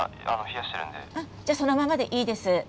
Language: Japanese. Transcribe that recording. あっじゃあそのままでいいです。